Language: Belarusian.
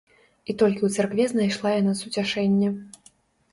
І толькі ў царкве знайшла яна суцяшэнне.